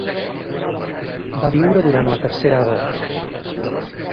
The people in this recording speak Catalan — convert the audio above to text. Va viure durant la tercera edat.